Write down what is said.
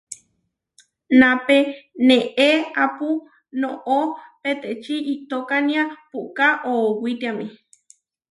Napé neéapu noʼó peteči, iʼtokánia puʼká oʼowitiáme.